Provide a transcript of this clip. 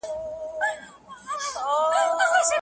خړې اوبه د بېلتون نښه ده.